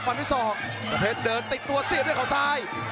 ฟันที่สองจักรเพชรเดินติดตัวเสียด้วยเขาซ้าย